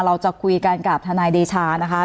เราจะคุยกันกับทนายเดชานะคะ